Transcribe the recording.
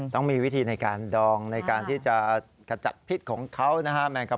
ต้องมีวิธีในการดองในการที่จะขจัดพิษของเขานะฮะ